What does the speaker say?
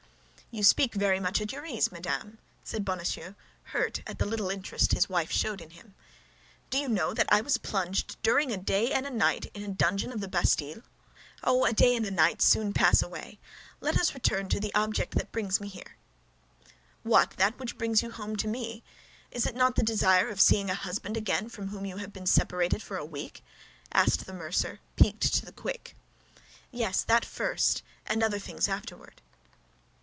"You speak very much at your ease, madame," said Bonacieux, hurt at the little interest his wife showed in him. "Do you know that I was plunged during a day and night in a dungeon of the Bastille?" "Oh, a day and night soon pass away. Let us return to the object that brings me here." "What, that which brings you home to me? Is it not the desire of seeing a husband again from whom you have been separated for a week?" asked the mercer, piqued to the quick. "Yes, that first, and other things afterward."